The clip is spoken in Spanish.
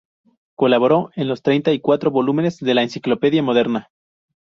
Colaboró en los treinta y cuatro volúmenes de la "Enciclopedia moderna.